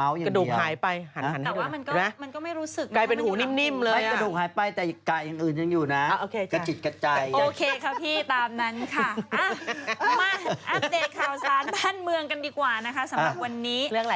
มาอัปเดตข่าวสารบ้านเมืองกันดีกว่านะคะสำหรับวันนี้เรื่องอะไรคะ